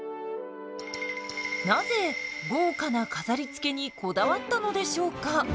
なぜ豪華な飾りつけにこだわったのでしょうか？